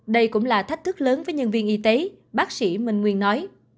bác sĩ nguyễn minh nguyên nói